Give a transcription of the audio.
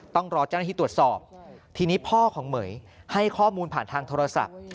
ต้องรอเจ้าหน้าที่ตรวจสอบทีนี้พ่อของเหม๋ยให้ข้อมูลผ่านทางโทรศัพท์